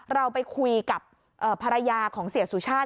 เราไปคุยกับภรรยาของเสียสุชาติ